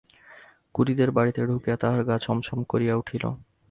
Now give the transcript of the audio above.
কুরিদের বাড়িতে ঢুকিয়া তাঁহার গা ছম ছম করিয়া উঠিল।